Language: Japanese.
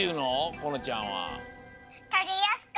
このちゃんは。